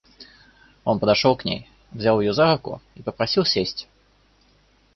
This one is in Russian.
Он подошел к ней, взял ее за руку и попросил сесть.